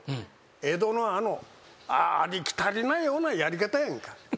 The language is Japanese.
江戸のあのありきたりなようなやり方やんか。